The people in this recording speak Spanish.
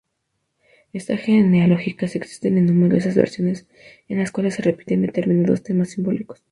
Estas genealogías existen en numerosas versiones, en las cuales se repiten determinados temas simbólicos.